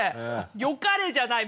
よかれじゃない！